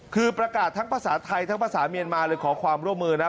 คือประกาศทั้งภาษาไทยทั้งภาษาเมียนมาเลยขอความร่วมมือนะ